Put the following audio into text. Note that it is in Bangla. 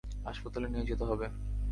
হাসপাতালে নিয়ে যেতে হবে!